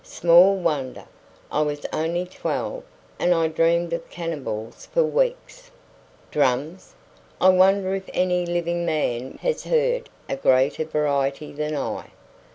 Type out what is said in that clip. "Small wonder! I was only twelve; and I dreamed of cannibals for weeks." "Drums! I wonder if any living man has heard a greater variety than I?